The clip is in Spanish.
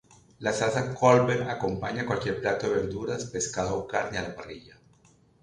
La salsa Colbert acompaña cualquier plato de verduras, pescado o carne a la parrilla.